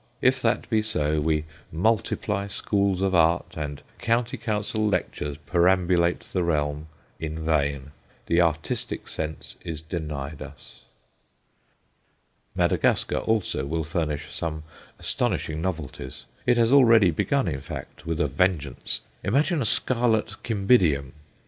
If that be so, we multiply schools of art and County Council lectures perambulate the realm, in vain. The artistic sense is denied us. Madagascar also will furnish some astonishing novelties; it has already begun, in fact with a vengeance. Imagine a scarlet Cymbidium!